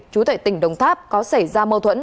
chú tại tỉnh đồng tháp có xảy ra mâu thuẫn